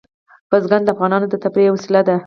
بزګان د افغانانو د تفریح یوه وسیله ده.